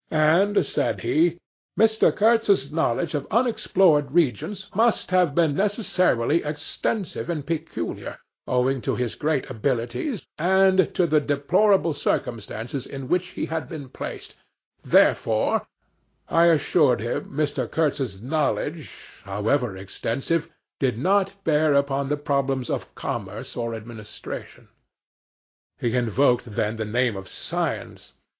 And, said he, 'Mr. Kurtz's knowledge of unexplored regions must have been necessarily extensive and peculiar owing to his great abilities and to the deplorable circumstances in which he had been placed: therefore' I assured him Mr. Kurtz's knowledge, however extensive, did not bear upon the problems of commerce or administration. He invoked then the name of science.